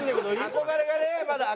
憧れがね。